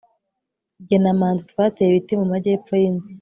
jye na manzi twateye ibiti mu majyepfo yinzu